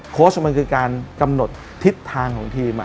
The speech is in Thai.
โค้ชมันคือการกำหนดทิศทางของทีม